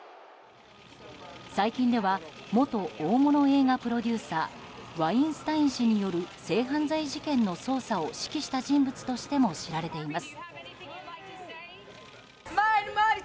最近では元大物映画プロデューサーワインスタイン氏による性犯罪事件の捜査を指揮した人物としても知られています。